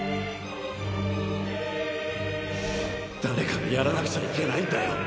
誰かがやらなくちゃいけないんだよ！！